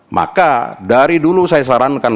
maka dari dulu saya sarankan